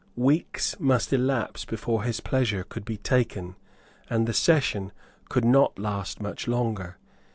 Weeks must elapse before his pleasure could be taken; and the session could not last much longer.